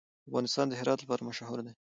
افغانستان د هرات لپاره مشهور دی.